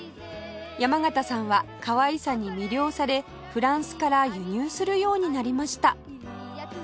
山形さんはかわいさに魅了されフランスから輸入するようになりました